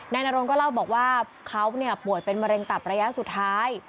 นรงก็เล่าบอกว่าเขาป่วยเป็นมะเร็งตับระยะสุดท้าย